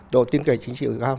độ tin cậy chính trị cao